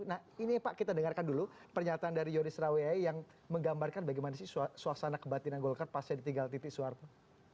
nah ini pak kita dengarkan dulu pernyataan dari yoris rawe yang menggambarkan bagaimana sih suasana kebatinan golkar pasca ditinggal titi soeharto